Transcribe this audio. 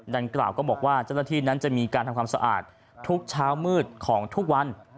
ดังกล่าวก็บอกว่าเจ้าหน้าที่นั้นจะมีการทำความสะอาดทุกเช้ามืดของทุกวัน